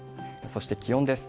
そして気温です。